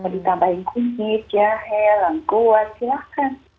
ditambahin kunyit jahe lengkuat silahkan